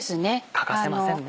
欠かせませんね。